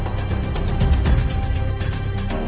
ก็ให้พ่อกัน